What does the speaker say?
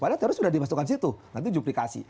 padahal teroris sudah dimasukkan situ nanti juplikasi